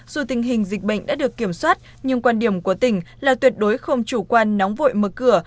dù tình hình dịch bệnh đã được kiểm soát nhưng quan điểm của tỉnh là tuyệt đối không chủ quan nóng vội mở cửa